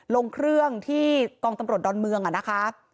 ลงเครื่องที่กองตำรวจดอนเมืองนะคะ